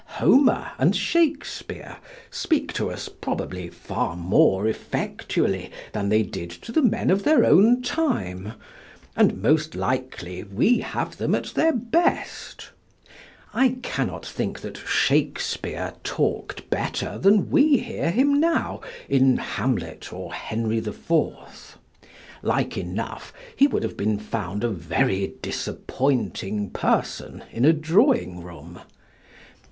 Homer and Shakespeare speak to us probably far more effectually than they did to the men of their own time, and most likely we have them at their best. I cannot think that Shakespeare talked better than we hear him now in "Hamlet" or "Henry the Fourth"; like enough he would have been found a very disappointing person in a drawing room.